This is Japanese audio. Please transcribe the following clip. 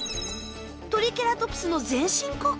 トリケラトプスの全身骨格。